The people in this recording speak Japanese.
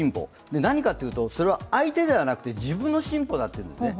何かというと、それは相手ではなく自分の進歩だというんですね。